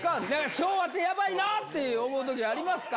昭和ってやばいなって思うときありますか。